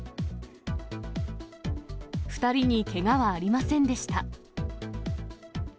２人にけがはありませんでした。